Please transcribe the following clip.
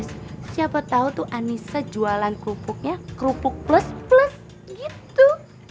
siapa tahu tuh anissa jualan kerupuknya kerupuk plus plus gitu